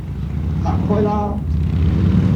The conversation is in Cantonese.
行開啦